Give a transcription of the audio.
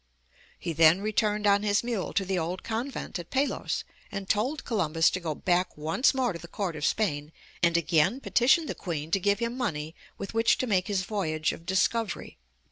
He then returned on his mule to the old convent at Palos, and told Columbus to go back once more to the court of Spain and again petition the Queen to give him money with which to make his voyage of discovery.